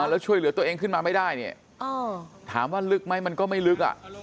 แล้วช่วยเหลือตัวเองขึ้นมาไม่ได้เนี่ยถามว่าลึกไหมมันก็ไม่ลึก